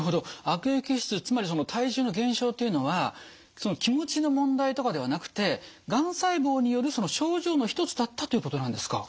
悪液質つまりその体重の減少というのは気持ちの問題とかではなくてがん細胞による症状の一つだったっていうことなんですか。